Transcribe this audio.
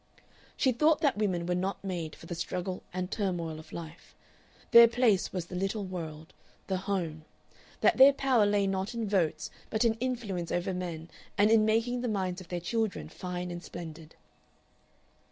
She thought that women were not made for the struggle and turmoil of life their place was the little world, the home; that their power lay not in votes but in influence over men and in making the minds of their children fine and splendid.